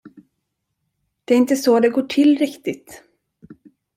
Det är inte så det går till, riktigt.